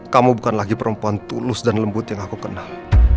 kamu bukan lagi perempuan tulus dan lembut yang aku kenal